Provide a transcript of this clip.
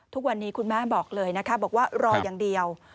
ทุกวันนี้คุณแม่บอกเลยนะคะบอกว่ารออย่างเดียว